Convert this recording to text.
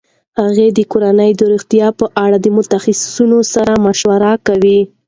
هغې د کورنۍ د روغتیا په اړه د متخصصینو سره مشوره کوي.